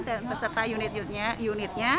dan beserta unitnya unitnya